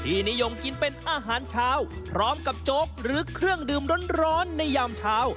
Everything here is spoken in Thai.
นิยมกินเป็นอาหารเช้าพร้อมกับโจ๊กหรือเครื่องดื่มร้อนในยามเช้า